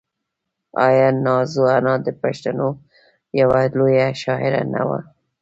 آیا نازو انا د پښتنو یوه لویه شاعره نه وه؟